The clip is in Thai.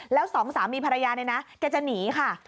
แล้ว๒สามีภรรยาไหนนะแกจะหนีค่ะ